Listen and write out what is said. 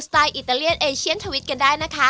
ไตลอิตาเลียนเอเชียนทวิตกันได้นะคะ